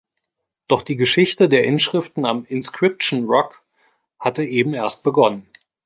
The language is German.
Doch die Geschichte der Inschriften am "Inscription Rock" hatte eben erst begonnen.